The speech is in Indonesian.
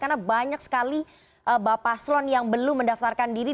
karena banyak sekali bapak paslon yang belum mendaftarkan diri